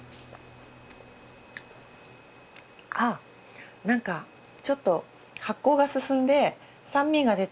あ何かちょっと発酵が進んで酸味が出て。